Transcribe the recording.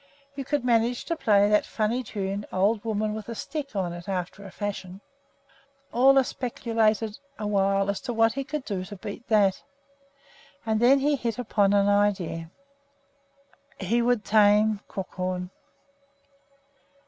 You could manage to play that funny tune, "Old Woman with a Stick," on it after a fashion. Ole speculated a while as to what he could do to beat that, and then he hit upon an idea, he would tame Crookhorn!